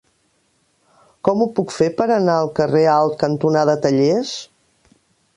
Com ho puc fer per anar al carrer Alt cantonada Tallers?